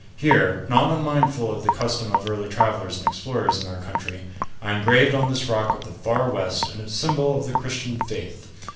Here, not unmindful of the custom of early travelers and explorers in our country, I engraved on this rock of the Far West a symbol of the Christian faith.